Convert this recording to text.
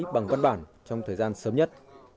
bằng văn bản trong thời gian sớm nhất